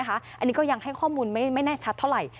อันนี้ก็ยังให้ข้อมูลไม่แน่ชัดเท่าไหร่